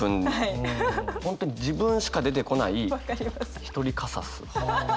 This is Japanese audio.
本当に自分しか出てこない「一人火サス」。